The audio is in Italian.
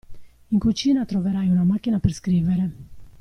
In cucina troverai una macchina per scrivere.